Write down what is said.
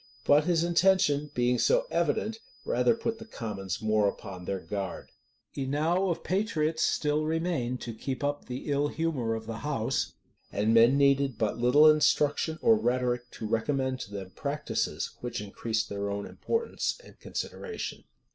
But his intention, being so evident, rather put the commons more upon their guard. Enow of patriots still remained to keep up the ill humor of the house; and men needed but little instruction or rhetoric to recommend to them practices which increased their own importance and consideration.